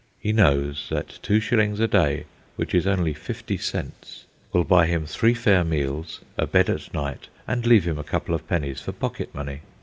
He knows that two shillings a day, which is only fifty cents, will buy him three fair meals, a bed at night, and leave him a couple of pennies for pocket money.